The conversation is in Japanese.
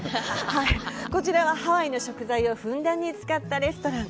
こちらはハワイの食材をふんだんに使ったレストラン。